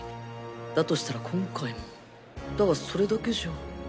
だとしたら今回もだがそれだけじゃ。